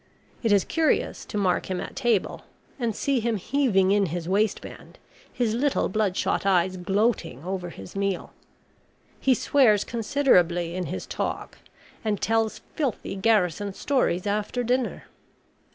It is curious to mark him at table, and see him heaving in his waistband, his little bloodshot eyes gloating over his meal. He swears considerably in his talk, and tells filthy garrison stories after dinner.